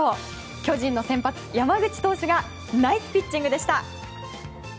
巨人の先発、山口投手がナイスピッチングでした。